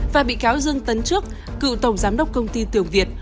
và bị cáo dương tấn trước cựu tổng giám đốc công ty tường việt